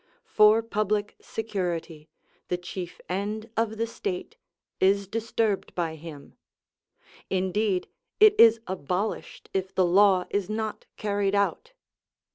For public security, the chief end of the state, is disturbed by him; indeed it is abolished if the law is not carried out.